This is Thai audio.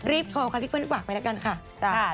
รีบโทรกับพี่เปิ้ลดีกว่าไปแล้วกันค่ะ